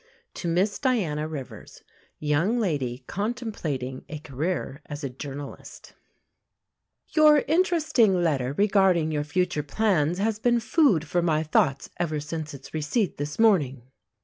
To Miss Diana Rivers Young Lady Contemplating a Career as a Journalist Your interesting letter regarding your future plans has been food for my thoughts ever since its receipt this morning.